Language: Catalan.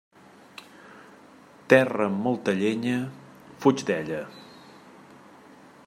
Terra amb molta llenya, fuig d'ella.